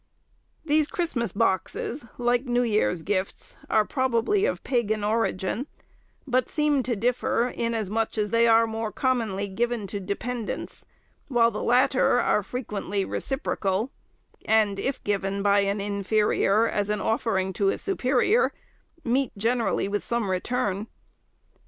These Christmas boxes, like New Year's gifts, are probably of pagan origin, but seem to differ, inasmuch as they are more commonly given to dependents, while the latter are frequently reciprocal, and if given by an inferior, as an offering to a superior, meet generally with some return.